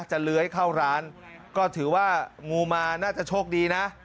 เลื้อยเข้าร้านก็ถือว่างูมาน่าจะโชคดีนะ